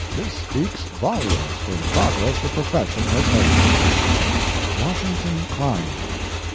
This speaks volumes for the progress the profession has made." Washington Crime.